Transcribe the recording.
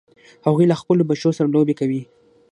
هغوی له خپلو بچو سره لوبې کوي